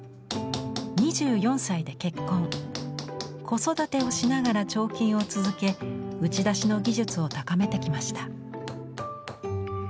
子育てをしながら彫金を続け「打ち出し」の技術を高めてきました。